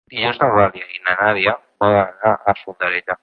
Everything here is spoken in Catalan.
Dilluns n'Eulàlia i na Nàdia volen anar a Fondarella.